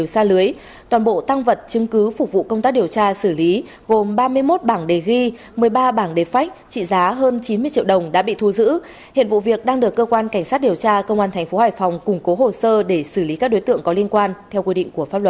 xin chào tạm biệt và hẹn gặp lại